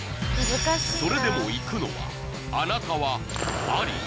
それでも行くのはあなたはあり？